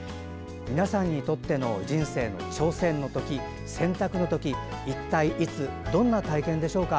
皆さんにとっての人生の挑戦の時、選択の時一体いつ、どんな体験でしょうか。